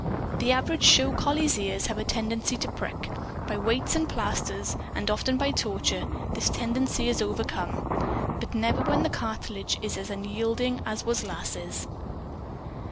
The average show collie's ears have a tendency to prick. By weights and plasters, and often by torture, this tendency is overcome. But never when the cartilage is as unyielding as was Lass's.